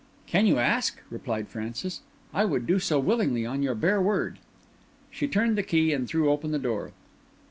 "Can you ask?" replied Francis. "I would do so willingly on your bare word." She turned the key and threw open the door.